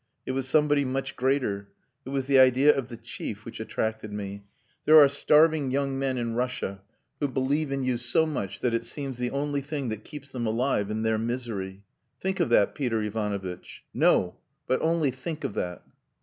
It was somebody much greater. It was the idea of the chief which attracted me. There are starving young men in Russia who believe in you so much that it seems the only thing that keeps them alive in their misery. Think of that, Peter Ivanovitch! No! But only think of that!"